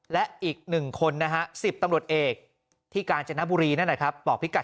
และอีก๑คนนะฮะ๑๐ตำรวจเอกที่กาญจนบุรีนั่นแหละครับบอกพิกัด